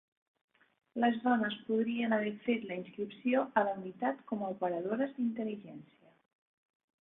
Les dones podrien haver fet la inscripció a la unitat com a operadores d'intel·ligència.